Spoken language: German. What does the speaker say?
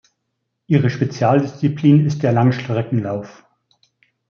Ihre Spezialdisziplin ist der Langstreckenlauf.